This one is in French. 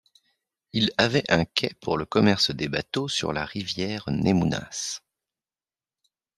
Il avait un quai pour le commerce des bateaux sur la rivière Nemunas.